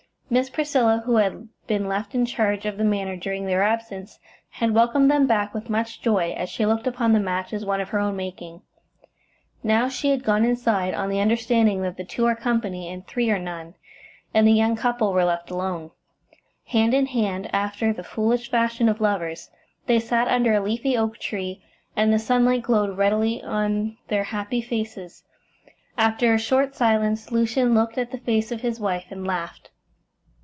Miss Priscilla, who had been left in charge of the Manor during their absence, had welcomed them back with much joy, as she looked upon the match as one of her own making. Now she had gone inside, on the understanding that two are company and three are none, and the young couple were left alone. Hand in hand, after the foolish fashion of lovers, they sat under a leafy oak tree, and the sunlight glowed redly on their happy faces. After a short silence Lucian looked at the face of his wife and laughed.